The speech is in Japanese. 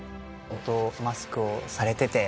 マスクをされてて。